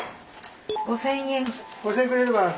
５，０００円。